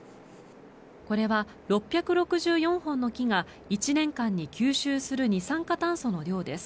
これは６６４本の木が１年間に吸収する二酸化炭素の量です。